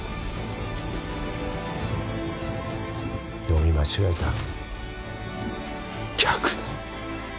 読み間違えた逆だ！